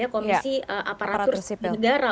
komisi aparatur negara